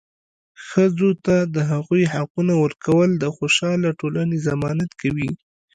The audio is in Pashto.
ښځو ته د هغوي حقونه ورکول د خوشحاله ټولنې ضمانت کوي.